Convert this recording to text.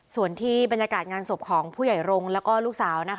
ส่วนที่บรรยากาศงานศพของผู้ใหญ่รงค์แล้วก็ลูกสาว